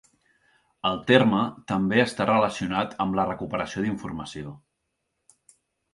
El terme també està relacionat amb la recuperació d'informació.